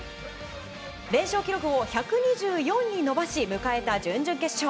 連勝記録を１２４に伸ばし迎えた準々決勝。